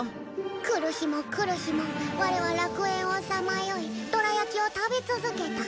来る日も来る日もワレは楽園をさまよいどら焼きを食べ続けた。